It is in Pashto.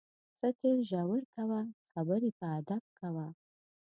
فکر ژور کوه، خبرې په ادب کوه.